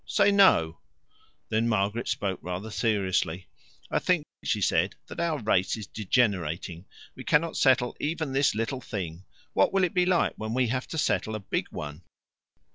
'" "Say 'no.'" Then Margaret spoke rather seriously. "I think," she said, "that our race is degenerating. We cannot settle even this little thing; what will it be like when we have to settle a big one?"